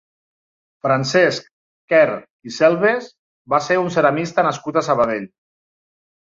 Francesc Quer i Selves va ser un ceramista nascut a Sabadell.